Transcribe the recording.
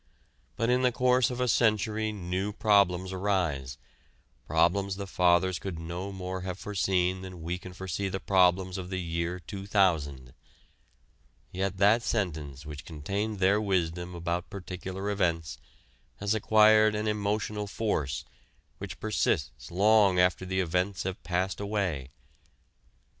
But in the course of a century new problems arise problems the Fathers could no more have foreseen than we can foresee the problems of the year two thousand. Yet that sentence which contained their wisdom about particular events has acquired an emotional force which persists long after the events have passed away.